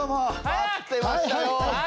待ってましたよ！